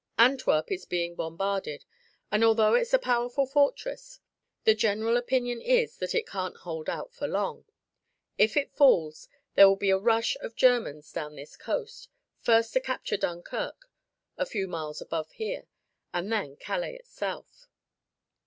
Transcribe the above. Antwerp is being bombarded, and although it's a powerful fortress, the general opinion is that it can't hold out for long. If it falls, there will be a rush of Germans down this coast, first to capture Dunkirk, a few miles above here, and then Calais itself."